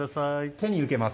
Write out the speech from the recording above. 手に受けます。